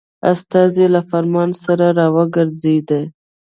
استازی له فرمان سره را وګرځېدی.